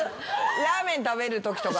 ラーメン食べるときとか。